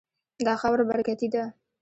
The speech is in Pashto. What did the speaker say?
دا خاوره برکتي ده.